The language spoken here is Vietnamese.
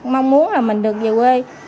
mong muốn là mình được về quê